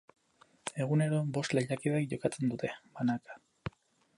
Egunero bost lehiakidek jokatzen dute, banaka.